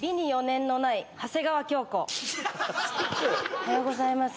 おはようございます。